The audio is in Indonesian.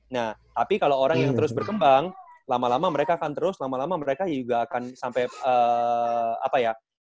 nah tapi kalau orang yang terus berkembang lama lama mereka akan terus lama lama mereka juga akan sampai apa ya